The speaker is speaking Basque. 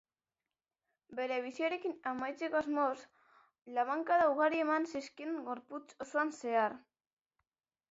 Bere biziarekin amaitzeko asmoz, labankada ugari eman zizkion gorputz osoan zehar.